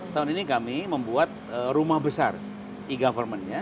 tahun ini kami membuat rumah besar e government nya